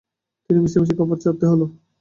মিছামিছি কাপড় ছাড়তেই হল।